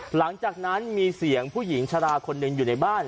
หลังจากนั้นมีเสียงผู้หญิงชะลาคนหนึ่งอยู่ในบ้าน